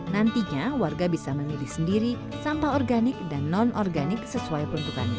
nantinya warga bisa memilih sendiri sampah organik dan non organik sesuai peruntukannya